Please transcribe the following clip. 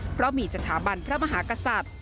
เพราะมีสถาบันพระมหากษัตริย์